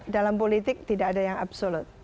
dalam politik tidak ada yang absolut